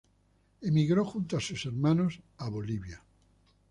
Emigró junto a sus hermanos a Bolivia.